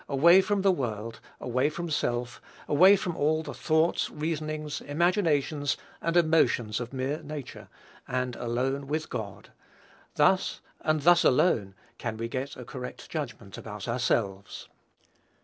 Away from the world; away from self; away from all the thoughts, reasonings, imaginations, and emotions of mere nature, and "alone" with God, thus, and thus alone, can we get a correct judgment about ourselves.